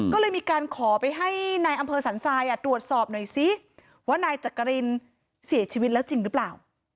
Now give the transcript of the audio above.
ก็เลยมีการขอไปให้นายอำเภอสันทรายตรวจสอบหน่อยซิว่านายจักรินเสียชีวิตแล้วจริงหรือเปล่า